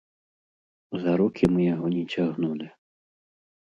За рукі мы яго не цягнулі.